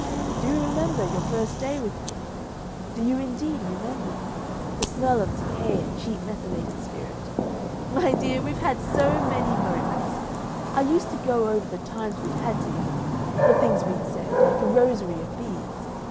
Do you remember your first day with me?... Do you indeed remember? The smell of decay and cheap methylated spirit!... My dear! we've had so many moments! I used to go over the times we'd had together, the things we'd said like a rosary of beads.